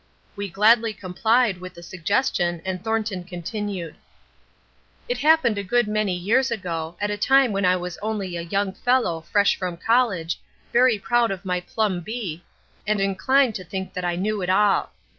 We gladly complied with the suggestion and Thornton continued: "It happened a good many years ago at a time when I was only a young fellow fresh from college, very proud of my Plumb. B., and inclined to think that I knew it all.